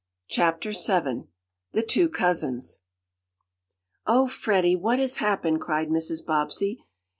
CHAPTER VII THE TWO COUSINS "Oh, Freddie! What has happened?" cried Mrs. Bobbsey.